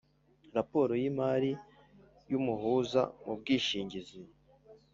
Raporo y imari y umuhuza mu bwishingizi